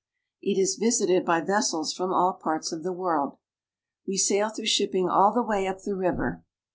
It is visited by vessels from all parts of the world. We sail 448 PORTUGAL. through shipping all the way up the river.